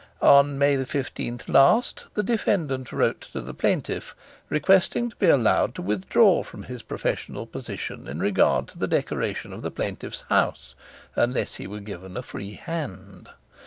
On May 15 last the defendant wrote to the plaintiff, requesting to be allowed to withdraw from his professional position in regard to the decoration of the plaintiff's house, unless he were given 'a free hand.